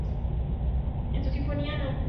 En su Sinfonía No.